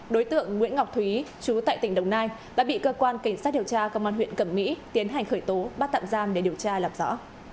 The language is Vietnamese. đối tượng nguyễn ngọc thúy chú tại tỉnh đồng nai đã bị cơ quan cảnh sát điều tra công an huyện cẩm mỹ tiến hành khởi tố bắt tạm giam để điều tra lập rõ